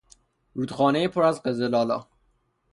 رودخانهای پر از قزلآلا